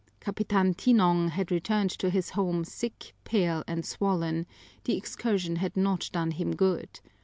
Capitan Tinong had returned to his home sick, pale, and swollen; the excursion had not done him good.